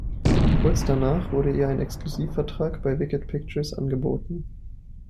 Kurz danach wurde ihr ein Exklusivvertrag bei Wicked Pictures angeboten.